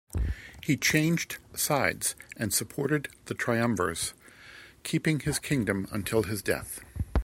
He changed sides and supported the triumvirs, keeping his kingdom until his death.